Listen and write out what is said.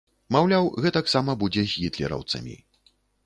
Маўляў, гэтаксама будзе з гітлераўцамі.